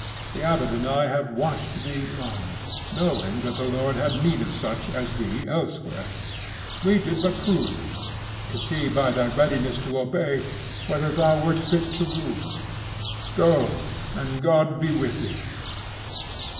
The abbot and I have watched thee long, knowing that the Lord bad need of such as thee elsewhere. We did but prove thee, to see by thy readiness to obey, whether thou wert fit to rule. Go, and God be with thee.